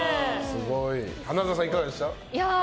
花澤さん、いかがでした？